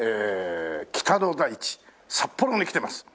北の大地札幌に来ています。